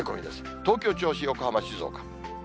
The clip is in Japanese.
東京、銚子、横浜、静岡。